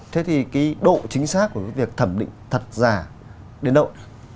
thế thì độ chính xác của việc thẩm định thật ra đến đâu